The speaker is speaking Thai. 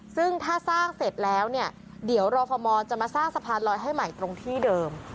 ซึ่งถ้าสร้างเสร็จแล้วเนี่ยเดี๋ยวรอฟมจะมาสร้างสะพานลอยให้ใหม่ตรงที่เดิม